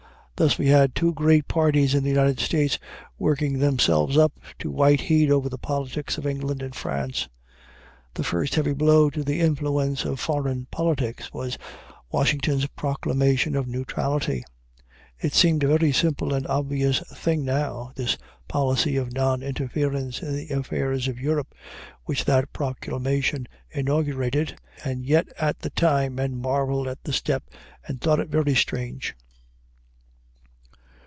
Thus we had two great parties in the United States, working themselves up to white heat over the politics of England and France. The first heavy blow to the influence of foreign politics was Washington's proclamation of neutrality. It seems a very simple and obvious thing now, this policy of non interference in the affairs of Europe which that proclamation inaugurated, and yet at the time men marveled at the step, and thought it very strange.